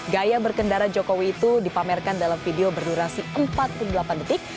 gaya berkendara jokowi itu dipamerkan dalam video berdurasi empat puluh delapan detik